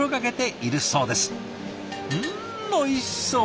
うんおいしそう！